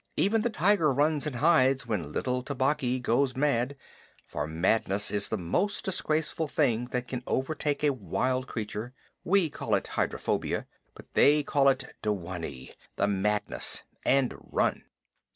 Even the tiger runs and hides when little Tabaqui goes mad, for madness is the most disgraceful thing that can overtake a wild creature. We call it hydrophobia, but they call it dewanee the madness and run.